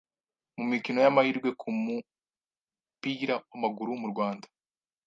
Mu mikino y’amahirwe ku mupira w’amaguru mu Rwanda